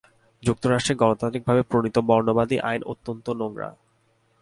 যুক্তরাষ্ট্রে গণতান্ত্রিকভাবে প্রণীত বর্ণবাদী আইন অত্যন্ত নোংরা।